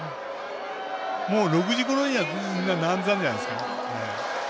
もう６時ごろには並んでいたんじゃないですか。